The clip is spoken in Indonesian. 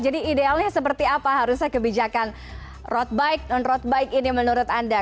jadi idealnya seperti apa harusnya kebijakan road bike dan non road bike ini menurut anda